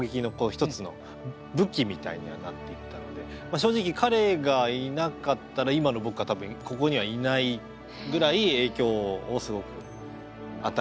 正直彼がいなかったら今の僕は多分ここにはいないぐらい影響をすごく与えてくれましたね。